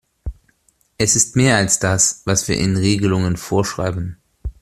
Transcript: Es ist mehr als das, was wir in Regelungen vorschreiben.